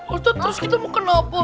loh lho terus kita mau makan apa